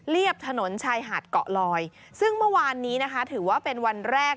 ถนนชายหาดเกาะลอยซึ่งเมื่อวานนี้นะคะถือว่าเป็นวันแรก